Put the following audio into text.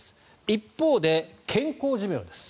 一方で健康寿命です。